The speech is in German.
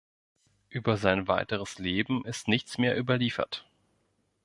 Über sein weiteres Leben ist nichts mehr überliefert.